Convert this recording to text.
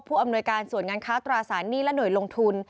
อำนวยการส่วนงานค้าตราสารหนี้และหน่วยลงทุน